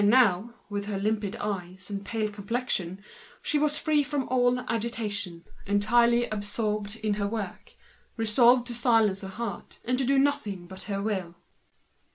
Now, with her limpid eyes, and pale complexion, she was free from all agitation, entirely given up to her work, resolved to crush her heart and to do nothing but her will.